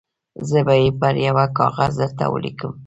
زه به یې پر یوه کاغذ درته ولیکم.